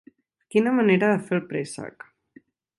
Quina manera de fer el préssec.